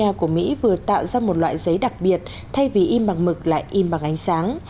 nga của mỹ vừa tạo ra một loại giấy đặc biệt thay vì in bằng mực lại in bằng ánh sáng